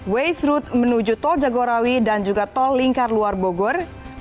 waste road menuju tol jagorawi dan juga tol lingkar luar bogor